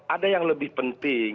ada yang lebih penting